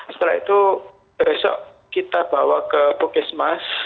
setelah itu besok kita bawa ke puskesmas